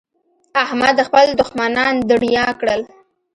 احمد خپل دوښمنان دڼيا کړل.